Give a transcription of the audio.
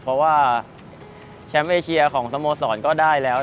เพราะว่าแชมป์เอเชียของสโมสรก็ได้แล้ว